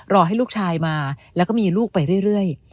รอให้ลูกชายมาแล้วก็มีลูกไปเรื่อย